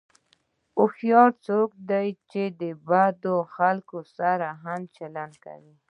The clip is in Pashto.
هوښیار څوک دی چې د بدو خلکو سره هم ښه چلند کوي.